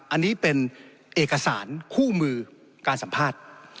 อันนี้เป็นเอกสารคู่มือการสัมภาษณ์